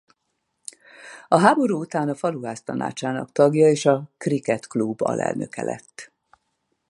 A háború után a Faluház tanácsának tagja és a Krikett Klub alelnöke lett.